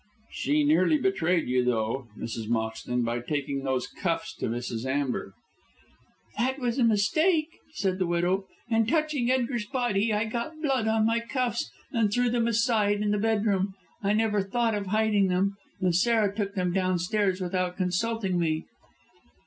"She nearly betrayed you though, Mrs. Moxton, by taking those cuffs to Mrs. Amber." "That was a mistake," said the widow. "In touching Edgar's body I got blood on my cuffs, and threw them aside in the bedroom. I never thought of hiding them, and Sarah took them downstairs without consulting me."